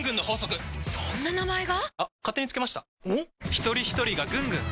ひとりひとりがぐんぐん！